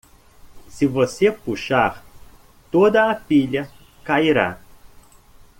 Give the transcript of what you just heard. Se você puxar, toda a pilha cairá.